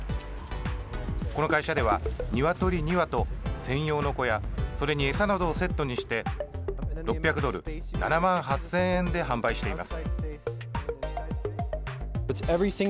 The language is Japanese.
この会社では、鶏２羽と専用の小屋それに餌などをセットにして６００ドル７万８０００円で販売しています。